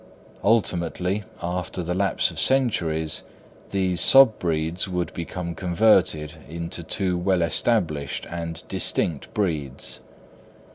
Ultimately after the lapse of centuries, these sub breeds would become converted into two well established and distinct breeds.